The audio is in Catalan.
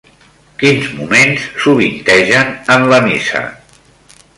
Quins moments sovintegen en la missa?